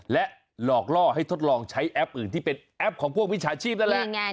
และหลอกล่อให้ทดลองใช้แอปอื่นที่เป็นแอปของพวกวิชาชีพนั่นแหละ